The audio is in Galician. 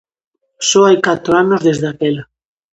Só hai catro anos desde aquela.